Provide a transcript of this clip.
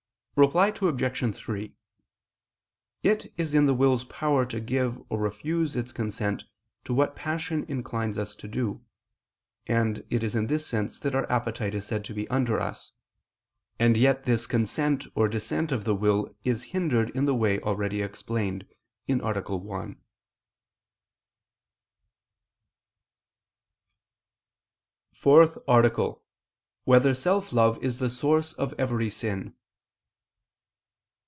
Reply Obj. 3: It is in the will's power to give or refuse its consent to what passion inclines us to do, and it is in this sense that our appetite is said to be under us; and yet this consent or dissent of the will is hindered in the way already explained (A. 1). ________________________ FOURTH ARTICLE [I II, Q. 77, Art. 4] Whether Self love Is the Source of Every Sin?